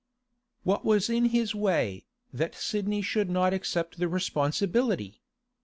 What was in his way, that Sidney should not accept the responsibility?